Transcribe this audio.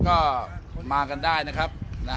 ก็มากันได้นะครับ